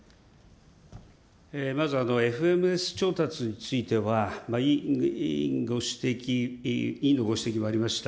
まずＦＭＳ調達については、委員ご指摘、委員のご指摘もありました。